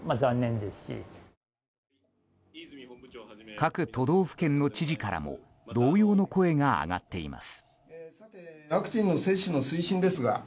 各都道府県の知事からも同様の声が上がっています。